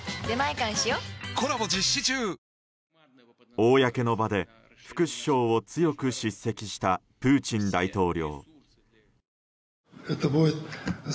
公の場で副首相を強く叱責したプーチン大統領。